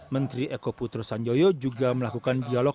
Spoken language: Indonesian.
menteri eko putro sanjoyo juga melakukan dialog